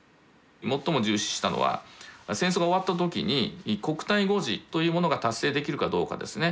最も重視したのは戦争が終わった時に「国体護持」というものが達成できるかどうかですね。